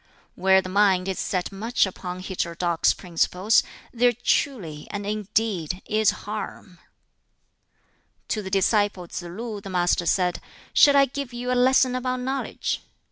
"Where the mind is set much upon heterodox principles there truly and indeed is harm." To the disciple Tsz lu the Master said, "Shall I give you a lesson about knowledge?